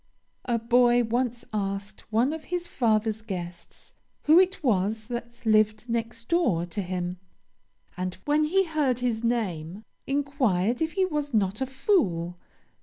"A boy once asked one of his father's guests who it was that lived next door to him, and when he heard his name, inquired if he was not a fool.